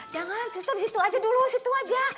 jangan sister di situ aja dulu di situ aja